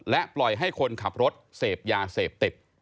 ปล่อยให้คนขับรถเสพยาเสพติด